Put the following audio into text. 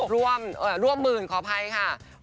ร่วม๑๐๐๐๐ขออภัยค่ะ